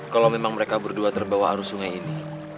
kalau memang mereka berdua terbawa arus sungai ini